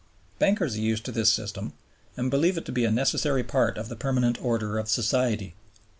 Bankers are used to this system, and believe it to be a necessary part of the permanent order of society.